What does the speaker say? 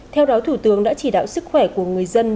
theo đó thủ tướng đã chỉ đạo sức khỏe của người dân